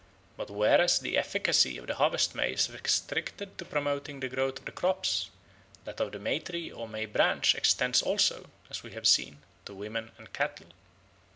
But whereas the efficacy of the Harvest May is restricted to promoting the growth of the crops, that of the May tree or May branch extends also, as we have seen, to women and cattle.